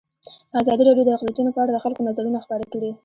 ازادي راډیو د اقلیتونه په اړه د خلکو نظرونه خپاره کړي.